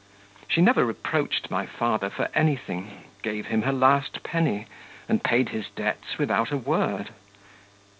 She never reproached my father for anything, gave him her last penny, and paid his debts without a word.